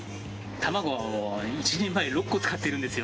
卵１人前６個使ってるんですよ。